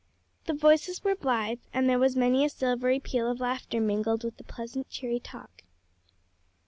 The voices were blithe, and there was many a silvery peal of laughter mingled with the pleasant, cheery talk.